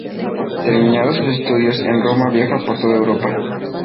Terminados sus estudios en Roma viaja por toda Europa.